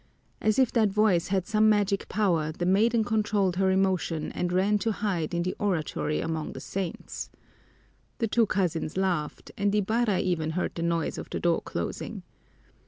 As if that voice had some magic power, the maiden controlled her emotion and ran to hide in the oratory among the saints. The two cousins laughed, and Ibarra even heard the noise of the door closing.